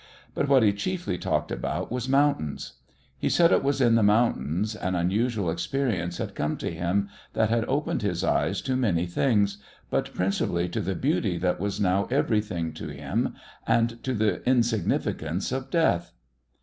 But what he chiefly talked about was mountains. He said it was in the mountains an unusual experience had come to him that had opened his eyes to many things, but principally to the beauty that was now everything to him, and to the insignificance of death.